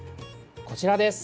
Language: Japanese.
こちらです。